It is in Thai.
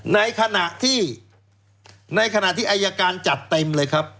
ในขณะที่ในขณะที่อายการจัดเต็มเลยครับ